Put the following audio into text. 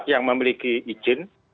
empat yang memiliki izin